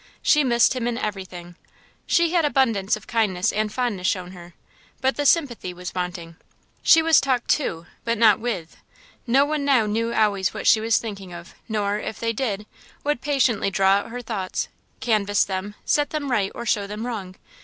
She missed him in everything. She had abundance of kindness and fondness shown her, but the sympathy was wanting. She was talked to, but not with. No one now knew always what she was thinking of, nor, if they did, would patiently draw out her thoughts, canvas them, set them right, or show them wrong.